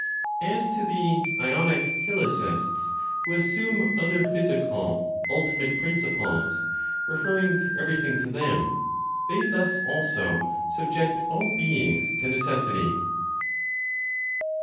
As to the (Ionic Hylicists), who assume other physical (ultimate) principles, referring everything to them, they thus also subject all beings to necessity.